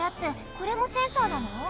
これもセンサーなの？